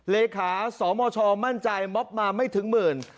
เลขาสมชมั่นใจม็อบมาไม่ถึงหมื่น